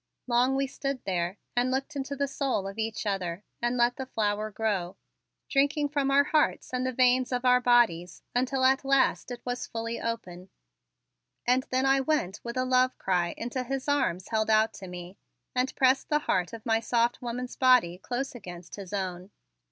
Long we stood there and looked into the soul of each other and let the flower grow, drinking from our hearts and the veins of our bodies until at last it was fully open; and then I went with a love cry into his arms held out to me, and pressed the heart of my soft woman's body close against his own.